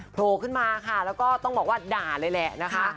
โผล่ขึ้นมาค่ะแล้วก็ต้องบอกว่าด่าเลยแหละนะคะ